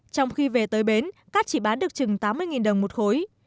trong khi về tới bến cát chỉ bán được chừng tám mươi đồng một khối